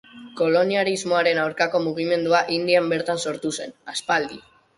Koloniarismoaren aurkako mugimendua Indian bertan sortu zen, aspaldi.